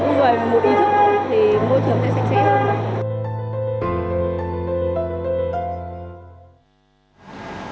nhưng mà một ý thức thì môi trường sẽ sạch sẽ hơn